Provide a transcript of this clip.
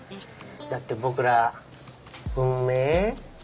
だって僕ら運命？